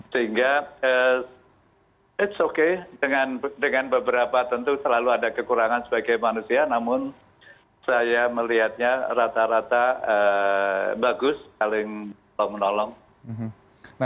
sehingga ⁇ its ⁇ okay dengan beberapa tentu selalu ada kekurangan sebagai manusia namun saya melihatnya rata rata bagus saling tolong menolong